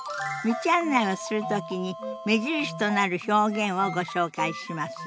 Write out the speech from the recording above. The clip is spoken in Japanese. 道案内をする時に目印となる表現をご紹介します。